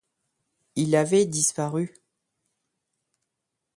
Il avait disparu.